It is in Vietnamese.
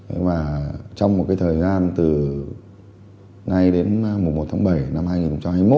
thế và trong một cái thời gian từ nay đến mùa một tháng bảy năm hai nghìn hai mươi một